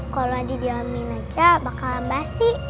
kalau dijamin aja bakalan basi